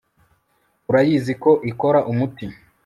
urayizi ko ikora umuti